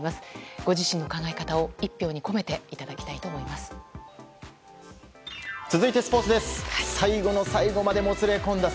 ご自身の思いを１票に込めていただきたいと思います。